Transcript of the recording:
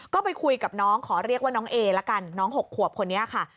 ก็ไปคุยกับน้องขอเรียกว่าน้องเอละกันน้อง๖ขวบคนนี้ค่ะ